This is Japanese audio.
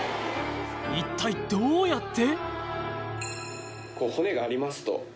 一体どうやって？